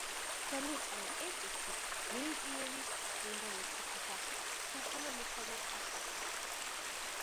მღვდელმოწამე ევტიქი მელიტინელი წმინდა მოციქულთა თანამოსაგრე იყო.